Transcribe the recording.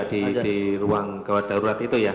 di ruang gawat darurat itu ya